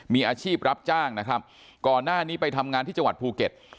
มีอาชีพรับจ้างนะครับก่อนหน้านี้ไปทำงานที่จังหวัดภูเก็ต